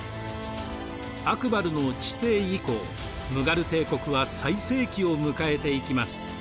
アクバルの治世以降ムガル帝国は最盛期を迎えていきます。